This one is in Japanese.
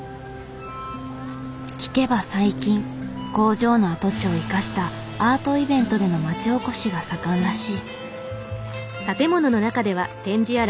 聞けば最近工場の跡地を生かしたアートイベントでの町おこしが盛んらしい。